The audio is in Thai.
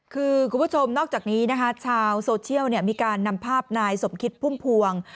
คือคุณผู้ชมนอกจากนี้นะคะชาวโซเชียลมีการนำภาพนายสมคิดพุ่มพวง